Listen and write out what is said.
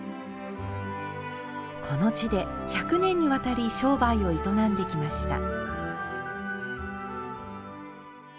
この地で１００年にわたり商売を営んできました。